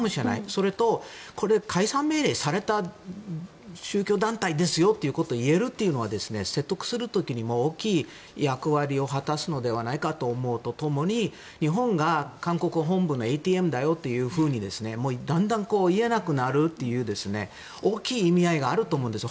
そうすると解散命令された宗教団体ですといえるというのは説得する時にも大きい役割を果たすのではないかと思うと共に日本が、韓国本部のＡＴＭだよというふうにだんだん言えなくなるという大きい意味合いがあると思うんです。